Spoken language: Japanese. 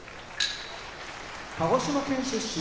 鹿児島県出身